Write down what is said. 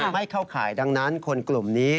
ไม่เข้าข่ายดังนั้นคนกลุ่มนี้